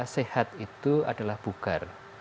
sehat itu adalah bugar